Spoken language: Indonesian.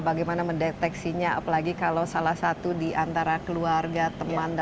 k kazakh tengah sometime man lima belas